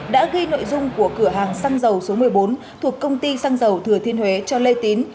đã ghi nội dung của cửa hàng xăng dầu số một mươi bốn thuộc công ty xăng dầu thừa thiên huế cho lê tín